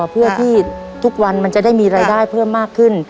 เพื่อที่ทุกวันมันจะได้มีรายได้เพิ่มมากขึ้น